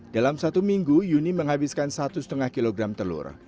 dalam satu minggu yuni menghabiskan satu lima kg telur